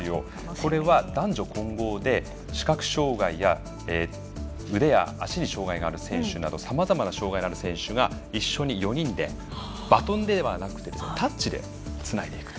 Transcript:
これは、男女混合で視覚障がいや腕や足に障がいのある選手などさまざまな障がいのある選手がさまざま障害がある選手が一緒に４人で、バトンではなくてタッチでつないでいくと。